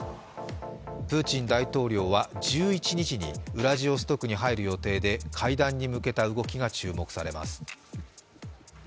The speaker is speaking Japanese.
プーチン大統領は１１日にウラジオストクに入る予定で、会談に向けた動きが注目されます。